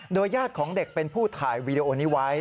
ญาติของเด็กเป็นผู้ถ่ายวีดีโอนี้ไว้